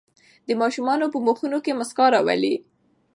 د ماشومانو په مخونو کې مسکا راولئ.